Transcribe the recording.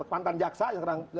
pantan jaksa yang sekarang